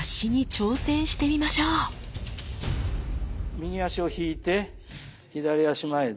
右足を引いて左足前で。